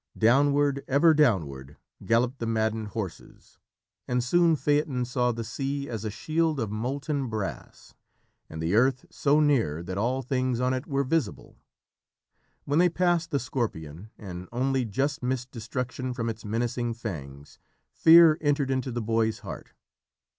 Downward, ever downward galloped the maddened horses, and soon Phaeton saw the sea as a shield of molten brass, and the earth so near that all things on it were visible. When they passed the Scorpion and only just missed destruction from its menacing fangs, fear entered into the boy's heart.